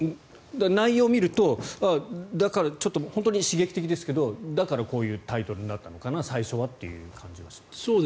内容を見ると本当に刺激的ですけどだからこういうタイトルになったのかな最初はという感じがします。